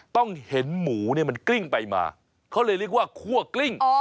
ต้องเห็นหมูเนี่ยมันกลิ้งไปมาเขาเลยเรียกว่าคั่วกลิ้ง